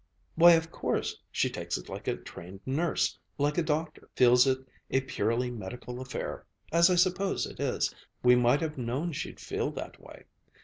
"Why, of course she takes it like a trained nurse, like a doctor feels it a purely medical affair as I suppose it is. We might have known she'd feel that way.